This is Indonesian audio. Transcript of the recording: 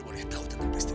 kak ica kak ica kenapa kak